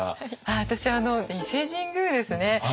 私伊勢神宮ですね。